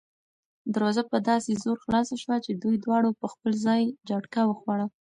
دروازه په داسې زور خلاصه شوه چې دوی دواړه په خپل ځای جټکه وخوړه.